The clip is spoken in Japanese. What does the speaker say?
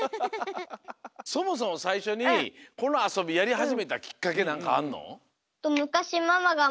そもそもさいしょにこのあそびやりはじめたきっかけなんかあるの？